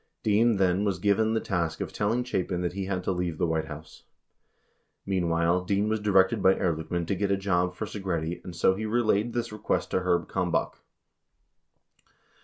™ Dean then was given the task of telling Chapin that he had to leave the White House. 79 Meanwhile, Dean was directed by Ehrlichman to get a job for Segretti, and so he relayed this request to Herb Kalmbach.